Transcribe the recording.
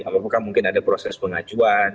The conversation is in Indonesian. apakah mungkin ada proses pengajuan